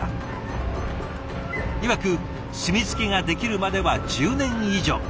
いわく墨付けができるまでは１０年以上。